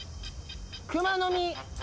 クマノミ。